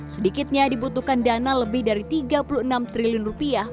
sedikitnya dibutuhkan dana lebih dari tiga puluh enam triliun rupiah